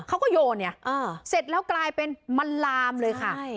เขาก็โยนเนี้ยอ่าเสร็จแล้วกลายเป็นมันลามเลยค่ะใช่